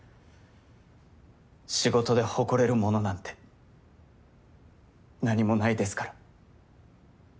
仕事で誇れるものなんて何もないですから。